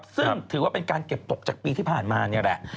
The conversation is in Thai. ซึ่งถือว่าเป็นการเก็บตกจากปีที่ผ่านมานี่แหละ